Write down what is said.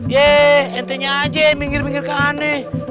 yeay ente aja minggir minggir keaneh